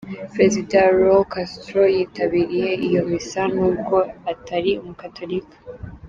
Perezida Raul Castro, yitabiriye iyo Misa n’ubwo atari umugatolika.